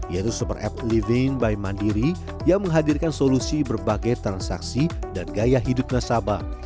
yaitu super app living by mandiri yang menghadirkan solusi berbagai transaksi dan gaya hidup nasabah